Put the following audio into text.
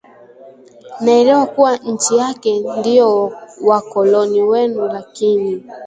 naelewa kuwa nchi yake ndiyo wakoloni wenu lakini